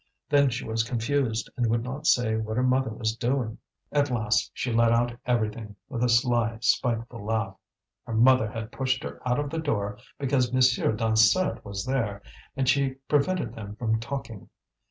Then she was confused, and would not say what her mother was doing. At last she let out everything with a sly, spiteful laugh: her mother had pushed her out of the door because M. Dansaert was there, and she prevented them from talking.